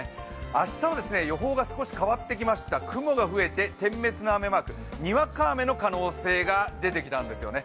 明日は予報が少し変わってきました、雲が増えて点滅の雨マーク、にわか雨の可能性が出てきたんですよね。